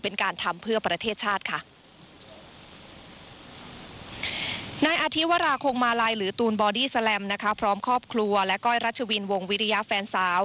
ในอาทิวาราคงมาลัยหรือตูนบอดี้แซลมพร้อมครอบครัวและก้อยรัชวินวงวิทยาแฟนสาว